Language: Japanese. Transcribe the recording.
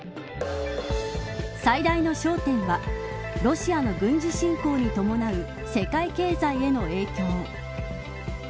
最大の焦点はロシアの軍事侵攻に伴う世界経済への影響。